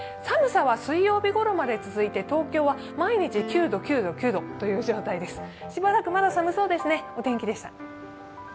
寒さは水曜日ごろまで続いて東京は毎日９度、９度、９度という状態です。